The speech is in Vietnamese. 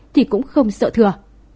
thì cũng không sợ thừa